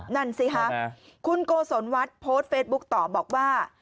นั่นสิคะคุณโกศลวัฒน์โพสต์เฟซบุ๊คต่อบอกว่า